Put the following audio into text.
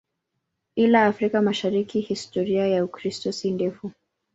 Ila Afrika Mashariki historia ya Ukristo si ndefu.